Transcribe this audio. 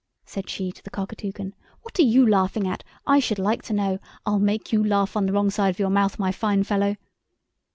said she to the Cockatoucan, "what are you laughing at, I should like to know—I'll make you laugh on the wrong side of your mouth, my fine fellow!"